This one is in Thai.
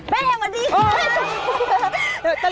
แม่อย่างนั้นดีครับ